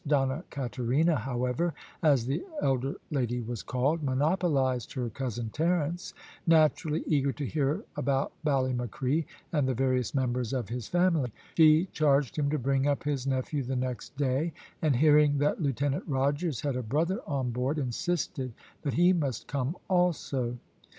Donna Katerina, however, as the elder lady was called, monopolised her cousin Terence, naturally eager to hear about Ballymacree, and the various members of his family. She charged him to bring up his nephew the next day; and hearing that Lieutenant Rogers had a brother on board, insisted that he must come also.